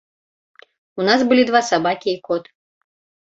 У нас былі два сабакі і кот.